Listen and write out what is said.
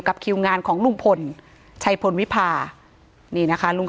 ถ้าใครอยากรู้ว่าลุงพลมีโปรแกรมทำอะไรที่ไหนยังไง